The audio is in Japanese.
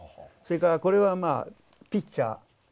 それからこれはまあピッチャー。